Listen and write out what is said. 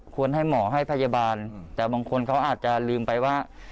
ให้หมอให้พยาบาลแต่บางคนเขาอาจจะลืมไปว่า